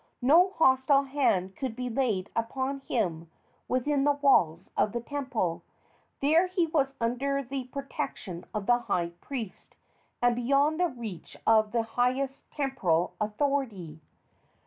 No hostile hand could be laid upon him within the walls of the temple. There he was under the protection of the high priest, and beyond the reach of the highest temporal authority.